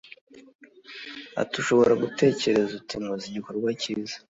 Ati “Ushobora gutekereza uti nkoze igikorwa cyiza